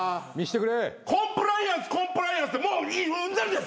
コンプライアンスコンプライアンスってもううんざりです！